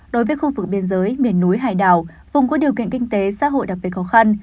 đối với khu vực biên giới miền núi hải đảo vùng có điều kiện kinh tế xã hội đặc biệt khó khăn